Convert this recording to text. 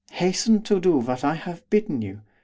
Hasten to do what I have bidden you.